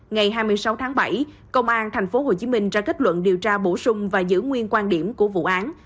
ngày hai mươi sáu tháng bảy công an tp hcm ra kết luận điều tra bổ sung và giữ nguyên quan điểm của vụ án